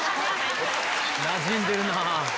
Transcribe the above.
なじんでるなぁ。